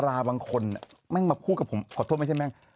เวลาลาบางคนเนี่ยแม่งมาพูดกับผมขอโทษไม่ใช่ไหม